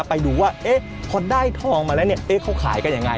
ไปดูว่าเอ๊ะเพราะได้ทองมาแล้วเนี้ยเอ๊ะเขาขายกันยังไง